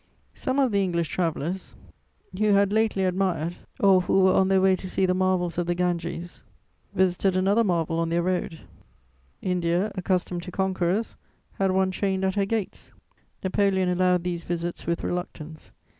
Some of the English travellers who had lately admired or who were on their way to see the marvels of the Ganges visited another marvel on their road: India, accustomed to conquerors, had one chained at her gates. Napoleon allowed these visits with reluctance.